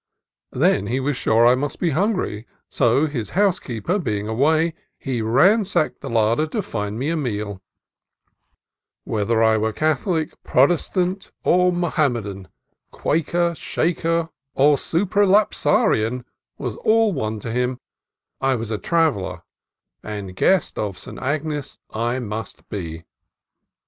Then he was sure I must be hungry, so, his housekeeper being away, he ransacked the larder to find me a meal. Whether I were Catholic, Protestant, or Mo ioo CALIFORNIA COAST TRAILS hammedan, Quaker, Shaker, or Supra lapsarian, was all one to him : I was a traveller, and a guest of St. Agnes I must be.